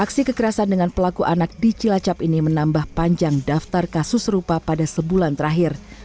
aksi kekerasan dengan pelaku anak di cilacap ini menambah panjang daftar kasus serupa pada sebulan terakhir